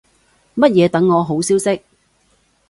乜嘢等我好消息